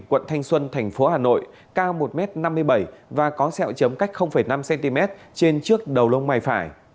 quận thanh xuân thành phố hà nội cao một m năm mươi bảy và có sẹo chấm cách năm cm trên trước đầu lông mày phải